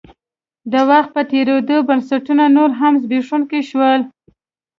د وخت په تېرېدو بنسټونه نور هم زبېښونکي شول.